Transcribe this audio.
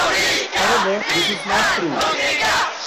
However, this is not true.